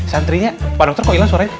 santrinya pak dokter kok hilang suaranya